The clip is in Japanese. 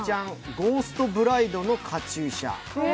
ゴーストブライドのカチューシャ。